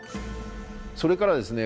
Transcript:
それからですね